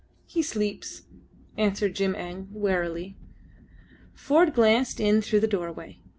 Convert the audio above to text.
He sleeps," answered Jim Eng, wearily. Ford glanced in through the doorway.